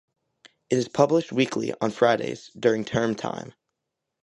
It is published weekly, on Fridays, during term time.